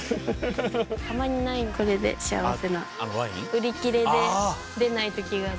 売り切れで出ない時があって。